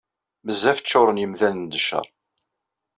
Bezzaf ččuṛen yemdanen d cceṛ